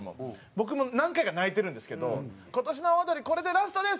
僕もう何回か泣いてるんですけど「今年の阿波おどりこれでラストです！」。